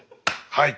はい。